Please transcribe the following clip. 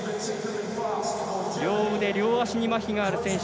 両腕、両足にまひがある選手。